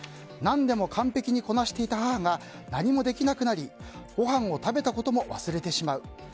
何でも完璧にこなしていた母が何もできなくなりごはんを食べたことも忘れてしまう。